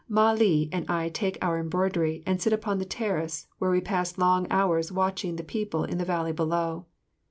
Mah li and I take our embroidery and sit upon the terrace, where we pass long hours watching the people in the valley below.